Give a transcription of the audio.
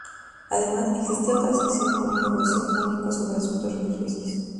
Además, existía otra sección con un negociado único sobre asuntos religiosos.